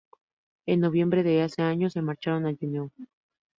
En noviembre de ese año se marcharon a Juneau.